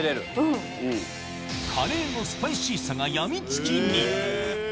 カレーのスパイシーさが病みつきに！